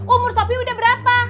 umur sopi udah berapa